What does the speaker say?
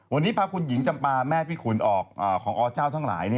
วันนี้พาคุณหญิงจำปาแม่พิขุนของอเจ้าทั้งหลาย